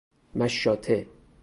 مشاطه